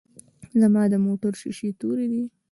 ځما دموټر شیشی توری دی.